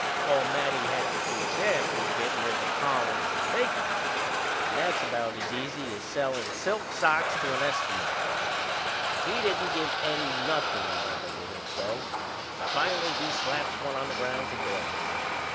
All Matty had to do then was to get rid o' Collins and Baker and that's about as easy as sellin' silk socks to an Eskimo. He didn't give Eddie nothin' he wanted to hit, though; and finally he slaps one on the ground to Doyle.